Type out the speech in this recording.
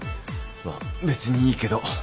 まあ別にいいけど。